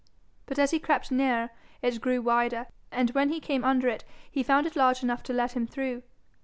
But as he crept nearer it grew wider, and when he came under it he found it large enough to let him through.